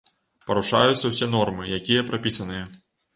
Парушаюцца ўсе нормы, якія прапісаныя.